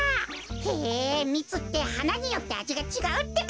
へえミツってはなによってあじがちがうってか。